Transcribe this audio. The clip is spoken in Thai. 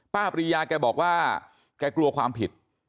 ปริยาแกบอกว่าแกกลัวความผิด